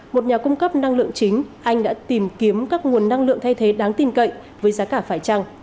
một nhà cung cấp năng lượng chính anh đã tìm kiếm các nguồn năng lượng thay thế đáng tin cậy với giá cả phải trăng